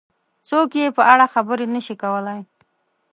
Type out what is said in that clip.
څوک یې په اړه خبرې نه شي کولای.